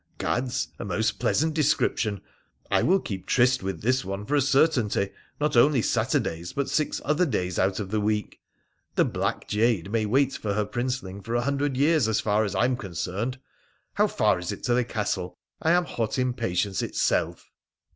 ' Gads ! a most pleasant description. I will keep tryst with this one for a certainty, not only Saturdays, but six other days out of the week. The black jade may wait for her princeling for a hundred years as far as I am concerned. How far is it to the castle — I am hot impatience itself